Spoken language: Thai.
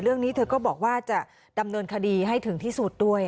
เรื่องนี้เธอก็บอกว่าจะดำเนินคดีให้ถึงที่สุดด้วย